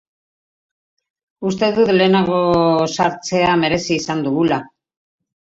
Uste dut lehenago sartzea merezi izan dugula.